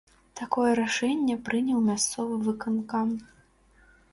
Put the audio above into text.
Такое рашэнне прыняў мясцовы выканкам.